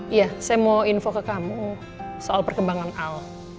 iya saya mau info ke kamu soal perkembangan alam